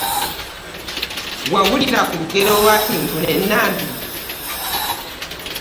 Wawulira ku lugero lwa kintu ne Nambi?